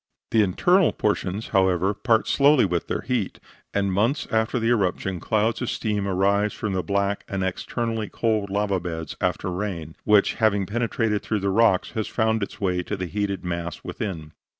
The internal portions, however, part slowly with their heat, and months after the eruption clouds of steam arise from the black and externally cold lava beds after rain; which, having penetrated through the cracks, has found its way to the heated mass within.